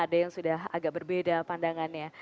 ada yang sudah agak berbeda pandangannya